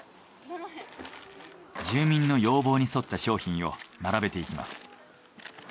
住民の要望に沿った商品を並べていきます。